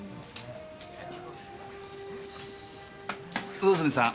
魚住さん